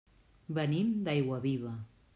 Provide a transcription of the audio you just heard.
Venim d'Aiguaviva.